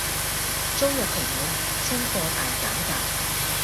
租約期滿，清貨大減價